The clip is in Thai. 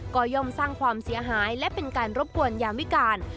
ก็ย่อมสร้างความเสียหายและเป็นการรบกวนยามวิการ